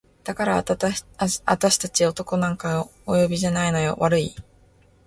「だからあたし達男なんかお呼びじゃないのよ悪い？」